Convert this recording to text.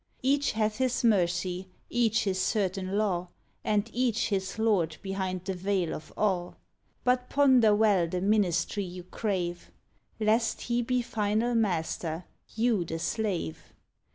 Each hath his mercy, each his certain law. And each his Lord behind the veil of awe; But ponder well the ministry you crave, 49 "THE JPOfHECART'S Lest he be final master, you the slave.